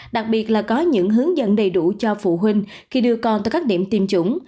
đặc biệt là có những hướng dẫn đầy đủ cho phụ huynh khi đưa con tới các điểm tiêm chủng